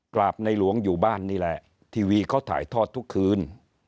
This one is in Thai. ในหลวงอยู่บ้านนี่แหละทีวีเขาถ่ายทอดทุกคืน